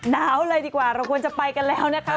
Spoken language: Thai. หนาวเลยดีกว่าเราควรจะไปกันแล้วนะคะ